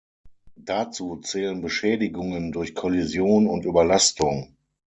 Dazu zählen Beschädigungen durch Kollision und Überlastung.